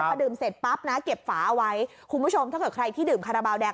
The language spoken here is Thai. พอดื่มเสร็จปั๊บนะเก็บฝาเอาไว้คุณผู้ชมถ้าเกิดใครที่ดื่มคาราบาลแดง